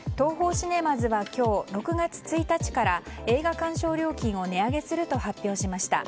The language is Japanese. シネマズは今日６月１日から映画鑑賞料金を値上げすると発表しました。